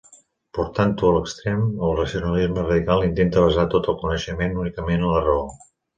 Portant-ho a l'extrem, el racionalisme radical intenta basar tot el coneixement únicament en la raó.